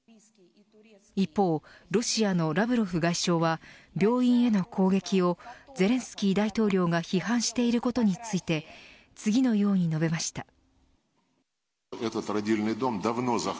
一方、ロシアのラブロフ外相は病院への攻撃をゼレンスキー大統領が批判していることについて次のように述べました。